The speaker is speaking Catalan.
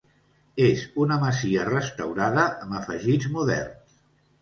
És una masia restaurada amb afegits moderns.